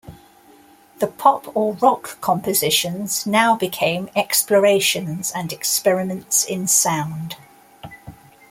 The pop or rock compositions now became explorations and experiments in sound.